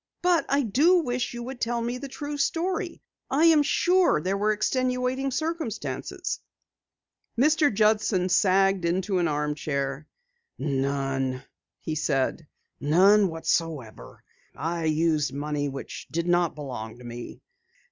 But I do wish you would tell me the true story. I am sure there were extenuating circumstances." Mr. Judson sagged into an armchair. "None," he said. "None whatsoever. I used money which did not belong to me.